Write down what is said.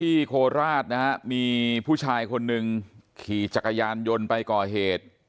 โคราชนะฮะมีผู้ชายคนหนึ่งขี่จักรยานยนต์ไปก่อเหตุ